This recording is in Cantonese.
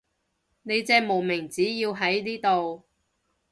你隻無名指要喺呢度